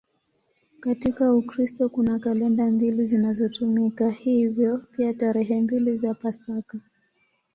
Katika Ukristo kuna kalenda mbili zinazotumika, hivyo pia tarehe mbili za Pasaka.